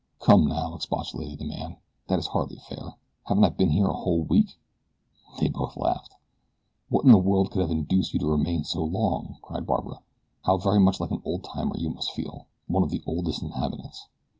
"Come now," expostulated the man. "That is hardly fair. Haven't I been here a whole week?" They both laughed. "What in the world can have induced you to remain so long?" cried Barbara. "How very much like an old timer you must feel one of the oldest inhabitants."